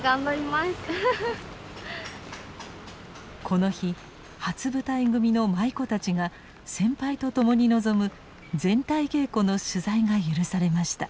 この日初舞台組の舞妓たちが先輩と共に臨む全体稽古の取材が許されました。